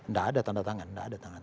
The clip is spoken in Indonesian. nggak ada tanda tangan